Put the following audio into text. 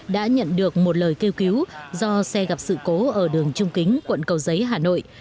đã nhận được một lời kêu cứu do xe gặp sự cố ở đường trung kính quận cầu giấy hà nội